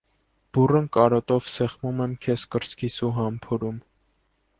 Բուռն կարոտով սեղմում եմ քեզ կրծքիս ու համբուրում: